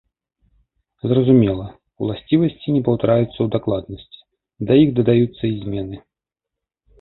Зразумела, уласцівасці не паўтараюцца ў дакладнасці, да іх дадаюцца і змены.